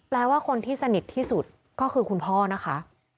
แปลว่าคนที่สนิทที่สุดก็คือคุณพ่อนะคะ